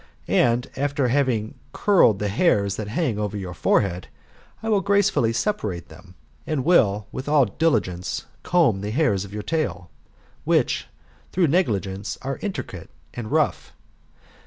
And, after having curled the hairs that hang over your forehead, I will gracefully separate them ; and will, with all diligence, comb the hairs of your tail, which, through negligence, are intricate and rough.